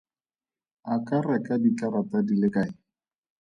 A ka reka dikarata di le kae?